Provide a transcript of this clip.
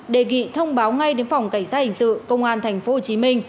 đề nghị thông báo ngay đến phòng cảnh sát hình sự công an tp hcm